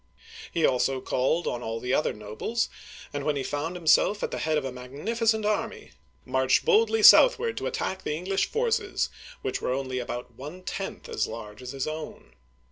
He also called all the other nobles, and when he found himself at the head of a magnificent army, marched boldly southward to attack the English forces, which were only about one tenth as large as his own.